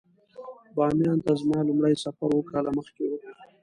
بامیان ته زما لومړی سفر اووه کاله مخکې و.